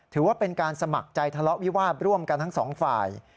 ถือว่าเป็นการสมัครใจทะเลาะวิวาสร่วมกันทั้งสองฝ่าย